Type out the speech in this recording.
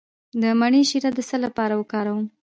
د مڼې شیره د څه لپاره وکاروم؟